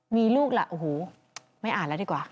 มีลูกล่ะโอ้โหไม่อ่านแล้วดีกว่า